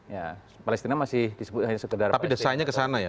tapi desainnya ke sana ya